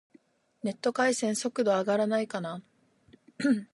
ネット回線、速度上がらないかな